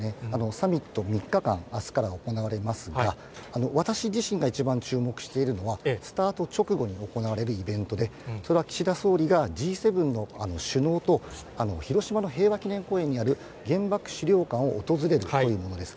サミット３日間、あすから行われますが、私自身が一番注目しているのは、スタート直後に行われるイベントで、それは岸田総理がＧ７の首脳と、広島の平和記念公園にある原爆資料館を訪れるというものです。